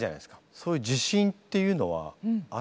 そういう自信っていうのはあったんですか？